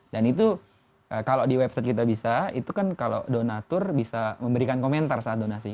dan itu kalau di website kitabisa itu kan kalau donatur bisa memberikan komentar saat donasi